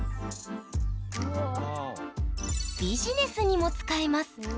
ビジネスにも使えます。